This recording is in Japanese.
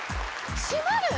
閉まる。